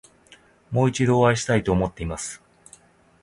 もう一度お会いしたいと思っています。